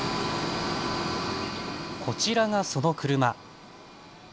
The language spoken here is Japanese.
こちらがその車。